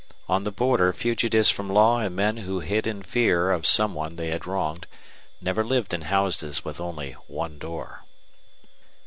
On the border fugitives from law and men who hid in fear of some one they had wronged never lived in houses with only one door.